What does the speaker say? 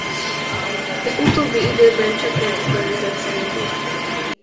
Az utóbbi időben csökkent a környezetszennyezés.